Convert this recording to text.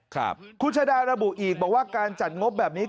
คุณชาดาระบุอีกบอกว่าการจัดงบแบบนี้